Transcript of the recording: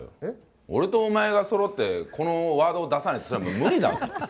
俺とお前がそろって、このワードを出さないっていうのは無理だぞ。